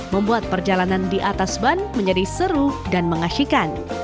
membuat perjalanan di atas ban menjadi seru dan mengasihkan